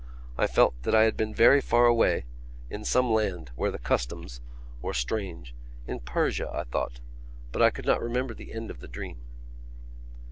I felt that I had been very far away, in some land where the customs were strange—in Persia, I thought.... But I could not remember the end of the dream.